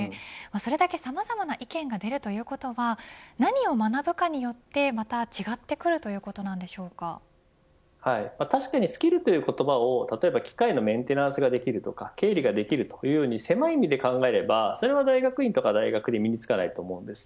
それだけ、さまざまな意見が出るということは何を学ぶかによって、また違ってくる確かにスキルという言葉を機械のメンテナンスができるとか経理ができると狭い意味で考えれば大学院や大学で身につかないと思います。